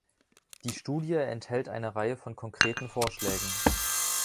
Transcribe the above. Die Studie enthält eine Reihe von konkreten Vorschlägen.